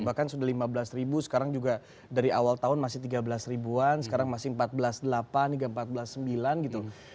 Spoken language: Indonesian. bahkan sudah lima belas ribu sekarang juga dari awal tahun masih tiga belas ribuan sekarang masih empat belas delapan hingga empat belas sembilan gitu